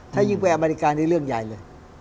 ถ้ายิ่งไปอเมริกานี่เรื่องใหญ่เลย